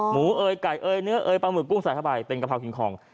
เอ๋ยไก่เอยเนื้อเอยปลาหมึกกุ้งใส่เข้าไปเป็นกะเพรากินของ